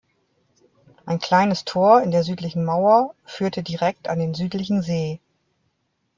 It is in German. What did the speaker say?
Ein kleines Tor in der südlichen Mauer führte direkt an den südlichen See.